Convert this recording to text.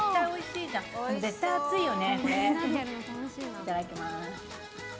いただきます。